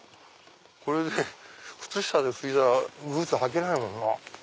靴下で拭いたらブーツ履けないもんな。